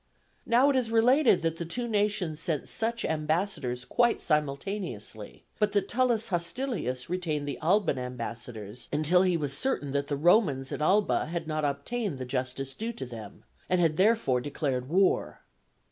Now it is related that the two nations sent such ambassadors quite simultaneously, but that Tullus Hostilius retained the Alban ambassadors, until he was certain that the Romans at Alba had not obtained the justice due to them, and had therefore declared war.